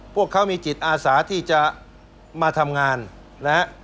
พวกเขามีจิตอาสาที่จะมาทำงานนะฮะ